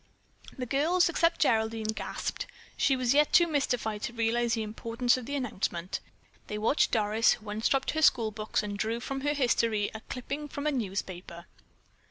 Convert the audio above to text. The girls, except Geraldine, gasped. She was yet too mystified to realize the importance of the announcement. They watched Doris, who unstrapped her school books and drew from her history a clipping from a newspaper.